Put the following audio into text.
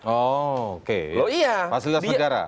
oh oke pasas negara